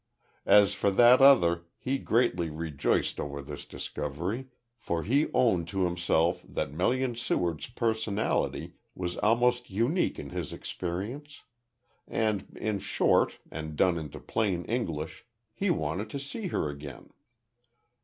As for that other he greatly rejoiced over this discovery, for he owned to himself that Melian Seward's personality was almost unique in his experience; and, in short, and done into plain English, he wanted to see her again.